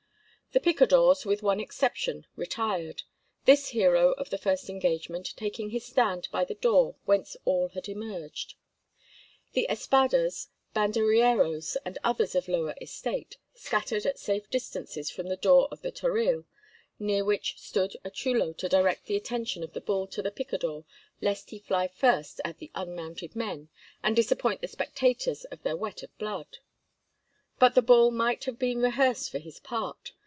The picadores, with one exception, retired, this hero of the first engagement taking his stand by the door whence all had emerged. The espadas, banderilleros, and others of lower estate, scattered at safe distances from the door of the toril, near which stood a chulo to direct the attention of the bull to the picador, lest he fly first at the unmounted men and disappoint the spectators of their whet of blood. But the bull might have been rehearsed for his part.